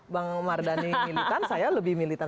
bang mardhani militan saya lebih militan